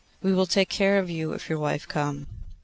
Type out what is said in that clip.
We will take care of you, if your wife come.